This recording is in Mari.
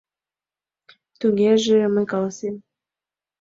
Тугеже мый каласем.